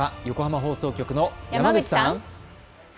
横浜放送局の山口さん。